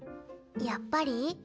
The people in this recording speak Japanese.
やっぱり？